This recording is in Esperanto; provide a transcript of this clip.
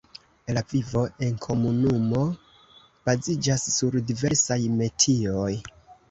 La vivo enkomunumo baziĝas sur diversaj metioj.